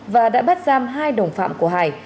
và đã bắt giam hai đồng phạm của hải